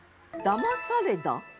「だまされだ」。